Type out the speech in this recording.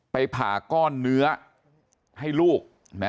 ไปผ่าก้อนเนื้อให้ลูก